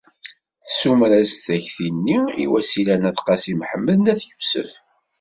Tessumer-as-d takti-nni i Wasila n Qasi Mḥemmed n At Yusef.